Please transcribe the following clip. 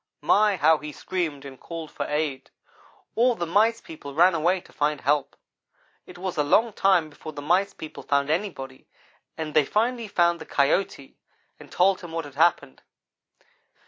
My! how he screamed and called for aid. All the Mice people ran away to find help. It was a long time before the Mice people found anybody, but they finally found the Coyote, and told him what had happened.